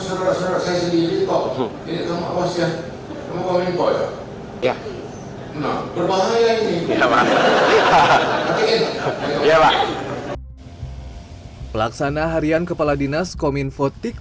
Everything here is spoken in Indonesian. arinal bahkan menyelamatkan kepala dinas kominfo tikto